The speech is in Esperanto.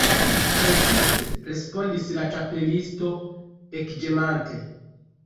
"Precize," respondis la Ĉapelisto, ekĝemante.